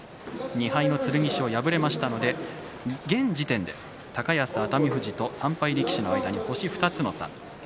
２敗の剣翔が敗れましたので現時点で高安、熱海富士と３敗力士の間に星２つの差です。